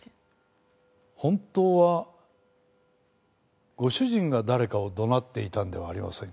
本当はご主人が誰かを怒鳴っていたのではありませんか？